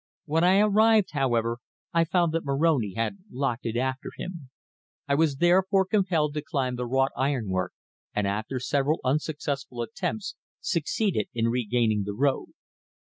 When I arrived, however, I found that Moroni had locked it after him. I was therefore compelled to climb the wrought ironwork, and after several unsuccessful attempts succeeded in regaining the road.